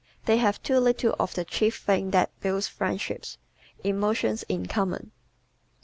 They have too little of the chief thing that builds friendships emotions in common.